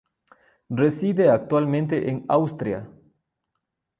Reside actualmente en Austria.